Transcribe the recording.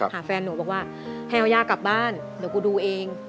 แฟนหนูบอกว่าให้เอาย่ากลับบ้านเดี๋ยวกูดูเอง